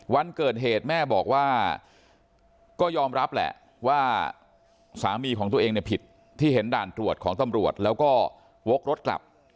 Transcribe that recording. วันเกิดเหตุแม่บอกว่าก็ยอมรับแหละว่าสามีของตัวเองเนี่ยผิดที่เห็นด่านตรวจของตำรวจแล้วก็วกรถกลับ